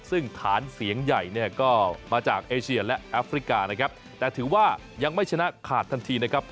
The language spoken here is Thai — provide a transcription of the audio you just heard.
ซึ่งฐานเสียงใหญ่เนี่ยก็มาจากเอเชียและแอฟริกานะครับแต่ถือว่ายังไม่ชนะขาดทันทีนะครับ